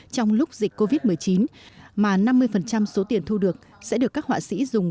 trong lúc dịch covid một mươi chín mà năm mươi số tiền thu được sẽ được các họa sĩ dùng